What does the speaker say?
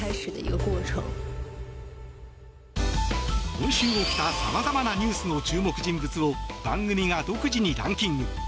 今週起きたさまざまなニュースの注目人物を番組が独自にランキング。